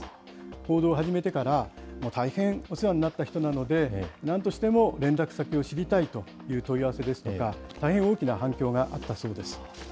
報道を始めてから大変お世話になった人なので、なんとしても連絡先を知りたいという問い合わせですとか、大変大きな反響があったそうです。